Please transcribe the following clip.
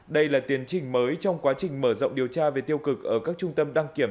đây là tiến trình mới trong quá trình mở rộng điều tra về tiêu cực ở các trung tâm đăng kiểm